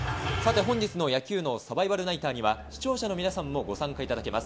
今日の野球脳サバイバルナイターには視聴者の皆さんもご参加いただけます。